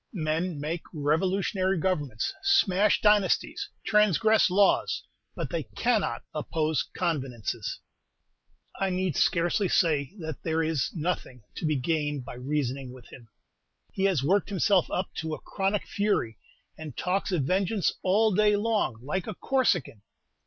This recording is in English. Men make revolutionary governments, smash dynasties, transgress laws, but they cannot oppose convenances! I need scarcely say that there is nothing to be gained by reason ing with him. He has worked himself up to a chronic fury, and talks of vengeance all day long, like a Corsican.